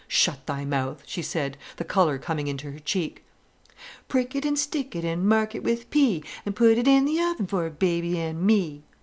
"Shut thy mouth," she said, the colour coming into her cheek. "Prick it and stick it and mark it with P, And put it i' th' oven for baby an' me...."